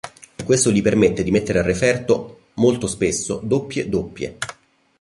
Questo gli permette di mettere a referto molto spesso doppie doppie.